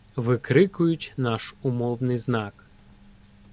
викрикують наш умовний знак.